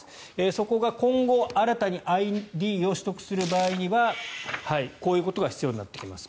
そこが今後新たにＩＤを取得する場合にはこういうことが必要になってきます。